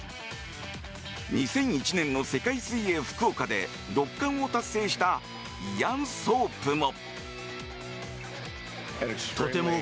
２００１年の世界水泳福岡で６冠を達成したイアン・ソープも。